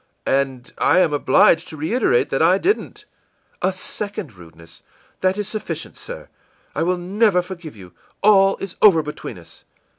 î ìAnd I am obliged to reiterate that I didn't.î ìA second rudeness! That is sufficient, sir. I will never forgive you. All is over between us.